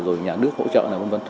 rồi nhà nước hỗ trợ nào v v